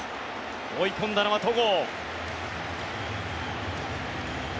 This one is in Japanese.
追い込んだのは戸郷。